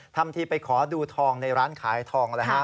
ทำทีไปขอดูทองในร้านขายทอง